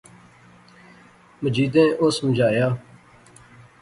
مجیدیں او سمجھایا